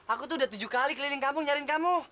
aku tuh udah tujuh kali keliling kamu nyariin kamu